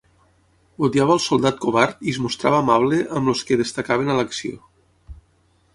Odiava el soldat covard i es mostrava amable amb els que destacaven a l'acció.